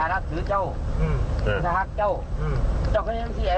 อะละละทีก่อนต่อกดีกวันล่ะต่อกดีกวันอ๋อที่นี่จัด